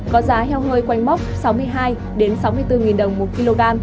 có giá heo hơi quanh mốc sáu mươi hai sáu mươi bốn đồng một kg